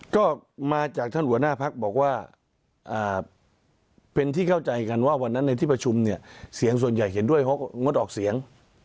ก็มาจากท่านหัวหน้าพักบอกว่าเป็นที่เข้าใจกันว่าวันนั้นในที่ประชุมเนี่ยเสียงส่วนใหญ่เห็นด้วยเพราะงดออกเสียง